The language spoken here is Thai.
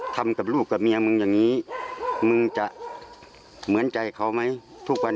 ทำกับลูกกับเมียมึงอย่างนี้มึงจะเหมือนใจเขาไหมทุกวัน